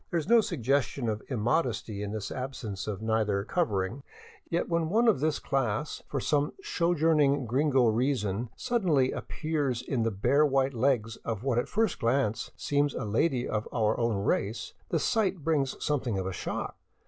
There is no suggestion of immodesty in this absence of nether covering, yet when one of this class, for some sojourning gringo reason, suddenly appears in the bare white legs of what at first glance seems a lady of our own race, the sight brings something of a shock.